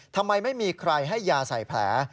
ทำไมไม่มีใครให้ยาใส่แผล